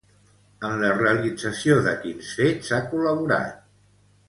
En la realització de quins fets ha col·laborat?